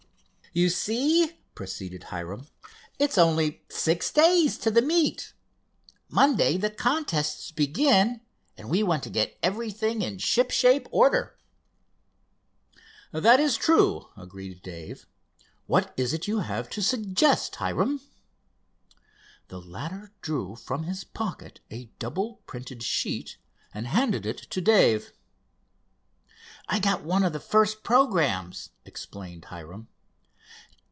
"You see," proceeded Hiram, "it's only six days to the meet. Monday the contests begin, and we want to get everything in ship shape order." "That is true," agreed Dave. "What is it you have to suggest, Hiram?" The latter drew from his pocket a double printed sheet and handed it to Dave. "I got one of the first programmes," explained Hiram.